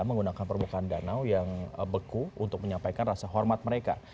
menggunakan permukaan danau yang beku untuk menyampaikan rasa hormat mereka